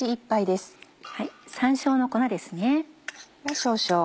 山椒の粉ですね。